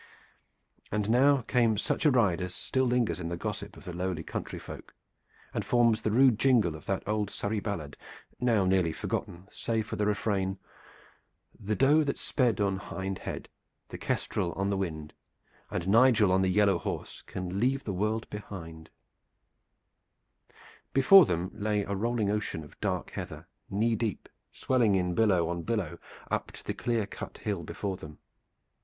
And now came such a ride as still lingers in the gossip of the lowly country folk and forms the rude jingle of that old Surrey ballad, now nearly forgotten, save for the refrain: The Doe that sped on Hinde Head, The Kestril on the winde, And Nigel on the Yellow Horse Can leave the world behinde. Before them lay a rolling ocean of dark heather, knee deep, swelling in billow on billow up to the clear cut hill before them.